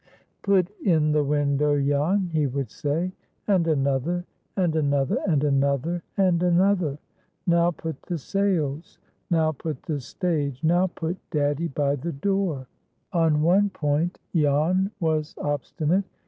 "Put in the window, Jan," he would say; "and another, and another, and another, and another. Now put the sails. Now put the stage. Now put daddy by the door." On one point Jan was obstinate.